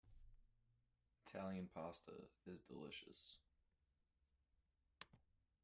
Italian Pasta is delicious.